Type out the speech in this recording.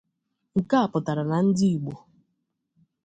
Nke a pụtara na ndị Igbo